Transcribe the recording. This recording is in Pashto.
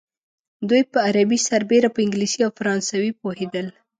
دوی په عربي سربېره په انګلیسي او فرانسوي پوهېدل.